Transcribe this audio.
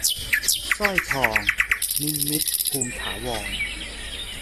สร้อยทอง - นิมิตร ภูมิถาวร